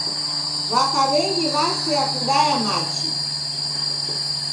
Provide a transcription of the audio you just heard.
W'aka w'engi w'asea kudaya machi.